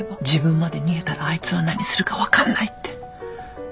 自分まで逃げたらあいつは何するか分かんないって。